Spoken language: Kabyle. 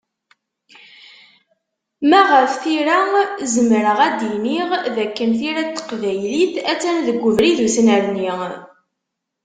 Ma ɣef tira, zemreɣ ad d-iniɣ d akken tira n teqbaylit, a-tt-an deg ubrid usnerni.